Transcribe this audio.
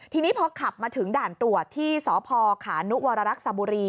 ทีนี้พอขับมาถึงด่านตรวจที่สพขานุวรรักษบุรี